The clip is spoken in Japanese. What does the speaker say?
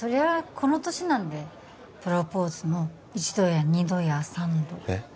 この年なんでプロポーズの一度や二度や三度えっ？